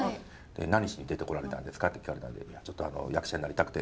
「何しに出てこられたんですか？」って聞かれたんで「ちょっと役者になりたくて」。